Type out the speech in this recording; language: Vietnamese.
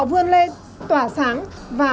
vươn lên tỏa sáng và